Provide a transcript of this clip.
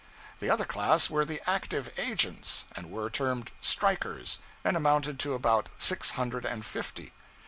The other class were the active agents, and were termed strikers, and amounted to about six hundred and fifty.